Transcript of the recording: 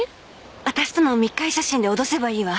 私との密会写真で脅せばいいわ。